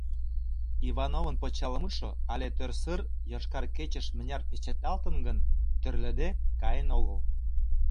Ивановын почеламутшо але тӧрсыр: «Йошкар кечеш» мыняр печатлалтын гын, тӧрлыде каен огыл.